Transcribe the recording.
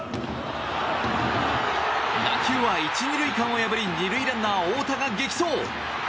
打球は１、２塁間を破り２塁ランナー、大田が激走！